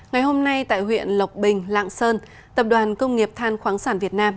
ngày hôm nay tại huyện lộc bình lạng sơn tập đoàn công nghiệp than khoáng sản việt nam